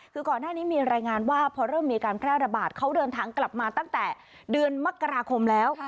คือก่อนหน้านี้มีรายงานว่าพอเริ่มมีการแพร่ระบาดเขาเดินทางกลับมาตั้งแต่เดือนมกราคมแล้ว